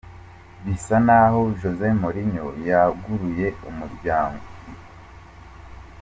Bisa naho Jose Mourinho yuguruye umuryango.